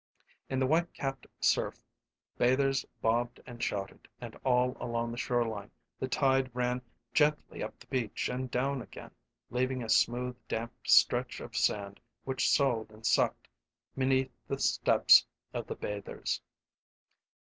In the white capped surf bathers bobbed and shouted, and all along the shore line the tide ran gently up the beach and down again, leaving a smooth, damp stretch of sand which soughed and sucked beneath the steps of the bathers.